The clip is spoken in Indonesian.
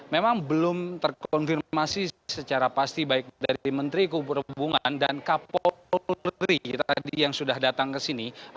memang belum terkonfirmasi secara pasti baik dari menteri perhubungan dan kapolri tadi yang sudah datang ke sini